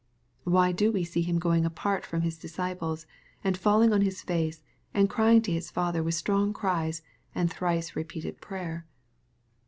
Why do we see Him going apart from His disciples, and falling on His face, and crying to His Father with strong cries, and thrice repeated prayer